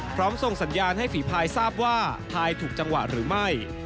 ส่งสัญญาณให้ฝีภายทราบว่าพายถูกจังหวะหรือไม่